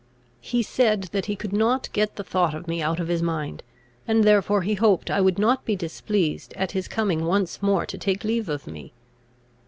He said that he could not get the thought of me out of his mind, and therefore he hoped I would not be displeased at his coming once more to take leave of me.